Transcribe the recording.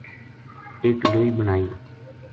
اک لوئی بنائی